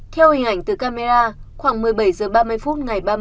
theo hình ảnh từ camera khoảng một mươi bảy h ba mươi phút ngày ba mươi